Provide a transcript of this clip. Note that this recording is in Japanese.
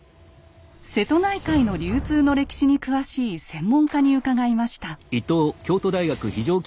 瀬戸内海の流通の歴史に詳しい専門家に伺いました。